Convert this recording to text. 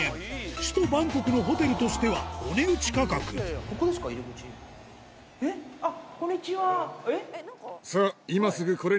首都バンコクのホテルとしてはお値打ち価格よくある。